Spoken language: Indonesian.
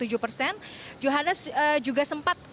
johannes juga sempat